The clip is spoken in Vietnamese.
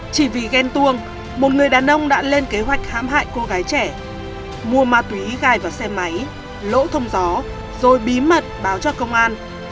chỉ vì ghen tuông một người đàn ông đã lên kế hoạch hám hại cô gái trẻ mua ma túy gai vào xe máy lỗ thông gió rồi bí mật báo cho công an